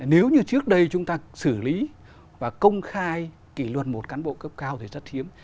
nếu như trước đây chúng ta xử lý và công khai kỷ luật một cán bộ cấp cao thì rất hiếm